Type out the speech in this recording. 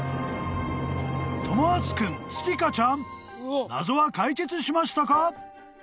［知篤君月花ちゃん謎は解決しましたか？］